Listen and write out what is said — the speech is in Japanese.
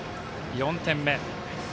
４点目。